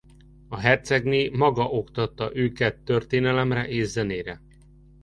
A hercegné maga oktatta őket történelemre és zenére.